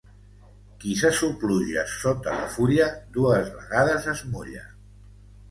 Qui se sopluja sota de fulla, dues vegades es mulla.